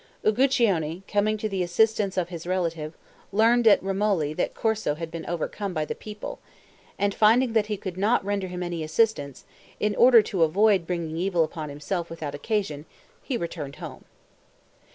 Uguccione, coming to the assistance of his relative, learned at Remoli that Corso had been overcome by the people, and finding that he could not render him any assistance, in order to avoid bringing evil upon himself without occasion, he returned home.